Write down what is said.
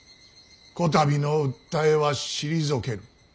こたびの訴えは退ける。